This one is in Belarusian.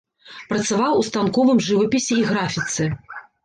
Працаваў у станковым жывапісе і графіцы.